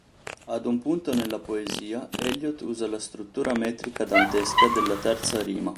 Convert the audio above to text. Ad un punto nella poesia, Eliot usa la struttura metrica dantesca della terza rima.